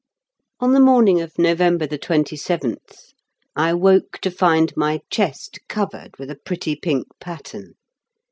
On the morning of November 27th I awoke to find my chest covered with a pretty pink pattern.